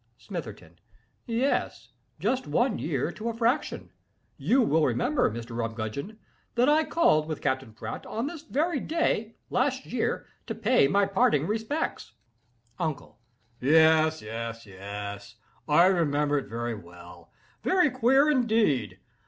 SMITHERTON. "Yes! just one year to a fraction. You will remember, Mr. Rumgudgeon, that I called with Capt. Pratol on this very day, last year, to pay my parting respects." UNCLE. "Yes, yes, yes—I remember it very well—very queer indeed!